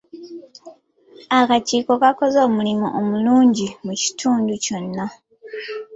Akakiiko kaakoze omulimu omulungi mu kitundu kyonna